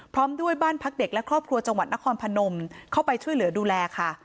พร้อมด้วยบ้านพักเด็กและครอบครัวจังหวัดนครพนมเข้าไปช่วยเหลือดูแลค่ะ